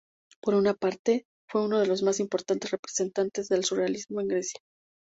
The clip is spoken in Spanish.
Por una parte, fue uno de los más importantes representantes del surrealismo en Grecia.